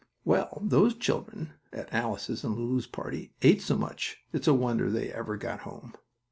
Well, those children at Alice's and Lulu's party ate so much it's a wonder that they ever got home.